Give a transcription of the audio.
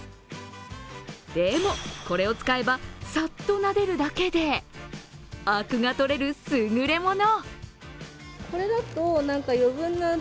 でも、これを使えばさっとなでるだけであくが取れる、すぐれもの。